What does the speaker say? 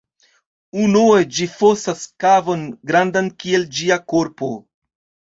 Unue ĝi fosas kavon grandan kiel ĝia korpo.